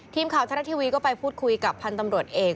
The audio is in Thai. ทีมข่าวชะละทีวีก็ไปพูดคุยกับพันธ์ตำรวจเอก